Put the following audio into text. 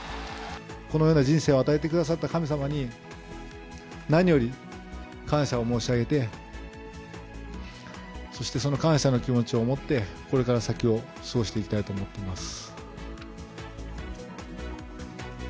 このような人生を与えてくださった神様に、何より感謝を申し上げて、そしてその感謝の気持ちを持って、これから先を過ごしていきたいと思ってます。